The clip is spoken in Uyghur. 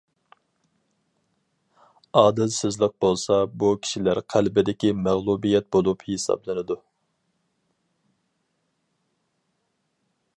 ئادىلسىزلىق بولسا، بۇ كىشىلەر قەلبىدىكى مەغلۇبىيەت بولۇپ ھېسابلىنىدۇ.